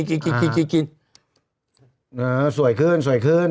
อาเฮ่อสวยขึ้นสวยขึ้น